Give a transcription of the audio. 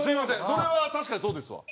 それは確かにそうですわ。